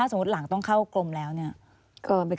อันดับ๖๓๕จัดใช้วิจิตร